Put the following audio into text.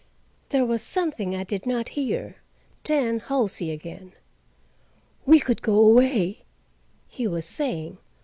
There was something I did not hear, then Halsey again. "We could go away," he was saying.